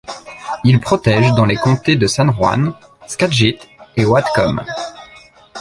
Il protège dans les comtés de San Juan, Skagit et Whatcom.